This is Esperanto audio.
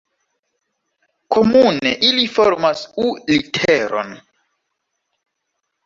Komune ili formas U-literon.